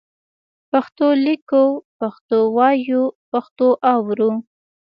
پښتو لیکو، پښتو وایو، پښتو اورو.